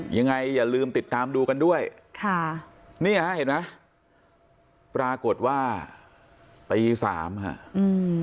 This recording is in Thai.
อย่าลืมติดตามดูกันด้วยค่ะเนี่ยเห็นไหมปรากฏว่าตีสามฮะอืม